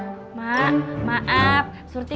gua kagak tau kenapa